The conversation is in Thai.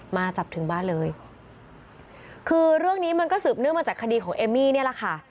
มาจับถึงบ้านเลยคือเรื่องนี้มันก็สืบเนื่องมาจากคดีของเอมมี่นี่แหละค่ะ